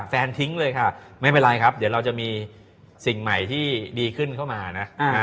ทิ้งเลยค่ะไม่เป็นไรครับเดี๋ยวเราจะมีสิ่งใหม่ที่ดีขึ้นเข้ามานะ